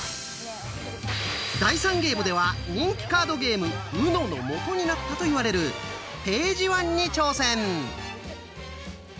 第３ゲームでは人気カードゲーム「ＵＮＯ」のもとになったと言われる「ページワン」に挑戦！